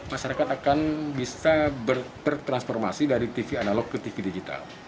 masyarakat akan bisa bertransformasi dari tv analog ke tv digital